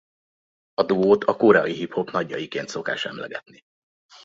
A duót a koreai hiphop nagyjaiként szokás emlegetni.